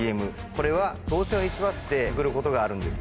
これは当選を偽って送ることがあるんです。